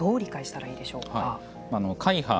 これはどう理解したらいいでしょうか。